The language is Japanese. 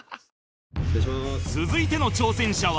続いての挑戦者は